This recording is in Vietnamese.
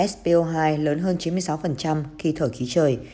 spo hai lớn hơn chín mươi sáu khi thổi khí trời